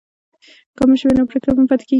که مشر وي نو پریکړه نه پاتې کیږي.